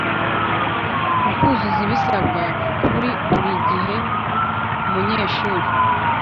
mu kuzuza ibisabwa, kuri buri gihe umunyeshuri